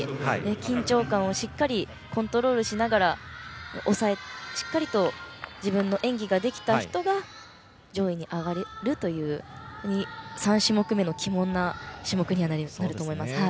緊張感をしっかりコントロールしながらしっかり自分の演技ができた人が上位に上がれるという３種目めの鬼門な種目になると思います。